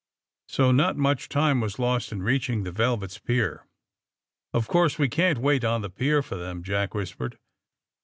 So not much time was lost in reaching the ^ ^Velvet's" pier. *^0f course we can't wait on the pier for them, '' Jack whispered.